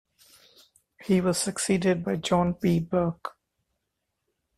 He was succeeded by John P. Burke.